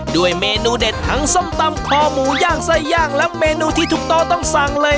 ด้วยเมนูเด็ดทั้งส้มตำคอหมูย่างไส้ย่างและเมนูที่ถูกต้องต้องสั่งเลย